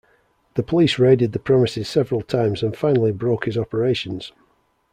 The police raided the premises several times and finally broke his operations.